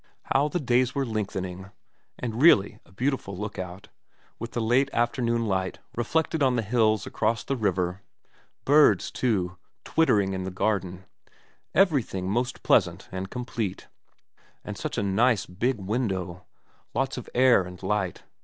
How the days were lengthening. And really a beautiful look out, with the late afternoon light reflected on the hills across the river. Birds, too, twittering in the garden, 296 VERA everything most pleasant and complete. And such a nice big window. Lots of air and light.